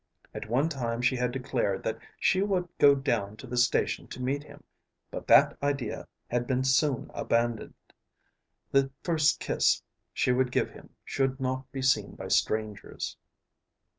At one time she had declared that she would go down to the station to meet him, but that idea had been soon abandoned. The first kiss she would give him should not be seen by strangers.